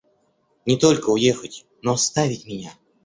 Не только уехать, но оставить меня.